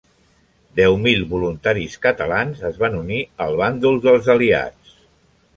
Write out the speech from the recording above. Deu mil voluntaris catalans es van unir al bàndol dels aliats.